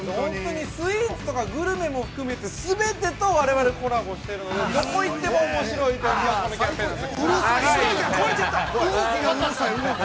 スイーツとか、グルメも含めて全てと我々コラボしているのでどこ行っても、おもしろいキャンペーンになっています。